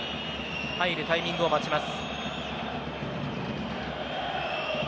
入るタイミングを待ちます。